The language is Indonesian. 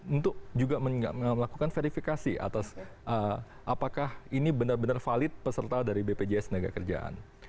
untuk juga melakukan verifikasi atas apakah ini benar benar valid peserta dari bpjs tenaga kerjaan